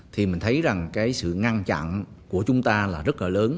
thì mình thấy rằng cái sự ngăn chặn của chúng ta là rất là lớn